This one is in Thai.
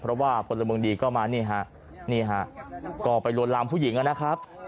เพราะว่าคนละบังดีก็มานี่ฮะก็ไปลวนลามผู้หญิงแล้วนะครับ